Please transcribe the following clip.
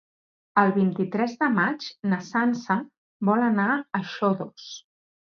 El vint-i-tres de maig na Sança vol anar a Xodos.